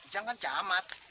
jang kan camat